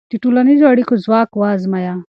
د ټولنیزو اړیکو ځواک وازمویه.